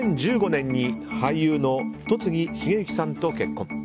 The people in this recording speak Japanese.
２０１５年に俳優の戸次重幸さんと結婚。